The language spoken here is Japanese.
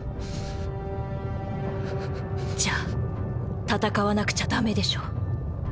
じゃあ戦わなくちゃダメでしょ？